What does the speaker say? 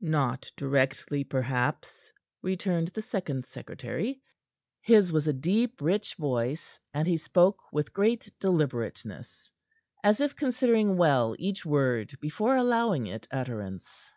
"Not directly, perhaps," returned the second secretary. His was a deep, rich voice, and he spoke with great deliberateness, as if considering well each word before allowing it utterance.